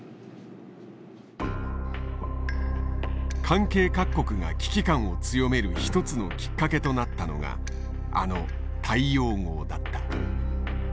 関係各国が危機感を強める一つのきっかけとなったのがあの大洋号だった。